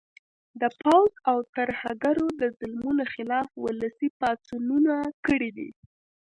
د پوځ او ترهګرو د ظلمونو خلاف ولسي پاڅونونه کړي دي